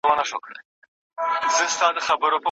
غلامي مي دا یوه شېبه رخصت کړه